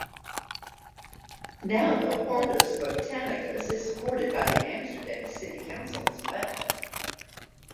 Now the "Hortus Botanicus" is supported by the Amsterdam City Council as well.